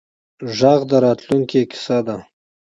غږ د راتلونکې کیسه ده